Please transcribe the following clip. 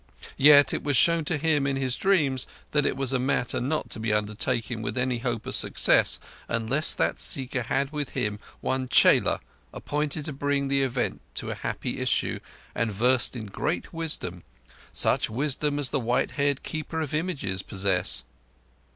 Yet it was shown to him in dreams that it was a matter not to be undertaken with any hope of success unless that seeker had with him the one chela appointed to bring the event to a happy issue, and versed in great wisdom—such wisdom as white haired Keepers of Images possess.